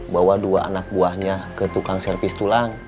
bawa dua anak buahnya ke tukang servis tulang